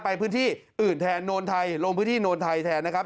ไปพื้นที่อื่นแทนโนนไทยลงพื้นที่โนนไทยแทนนะครับ